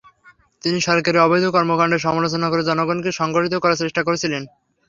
তিনি সরকারের অবৈধ কর্মকাণ্ডের সমালোচনা করে জনগণকে সংগঠিত করার চেষ্টা করেছিলেন।